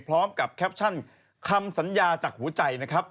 พร้อมกับแคปชั่นคำสัญญาจากหัวใจนะครับ